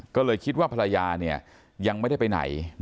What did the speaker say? ก็เลยคิดว่าภรรยายังไม่ได้ไปไหน